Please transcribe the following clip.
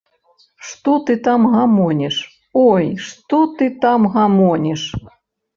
Што ты там гамоніш, ой, што ты там гамоніш?